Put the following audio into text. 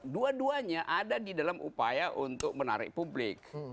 dua duanya ada di dalam upaya untuk menarik publik